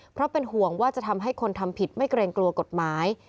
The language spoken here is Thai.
เพราะเป็นห่วงว่าจะทำให้คนทำผิดไม่เกรงกลัวกฎหมาย